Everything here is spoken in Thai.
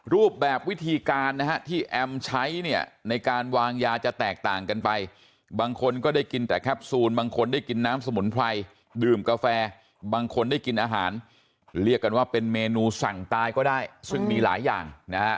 รูปแบบวิธีการนะฮะที่แอมใช้เนี่ยในการวางยาจะแตกต่างกันไปบางคนก็ได้กินแต่แคปซูลบางคนได้กินน้ำสมุนไพรดื่มกาแฟบางคนได้กินอาหารเรียกกันว่าเป็นเมนูสั่งตายก็ได้ซึ่งมีหลายอย่างนะฮะ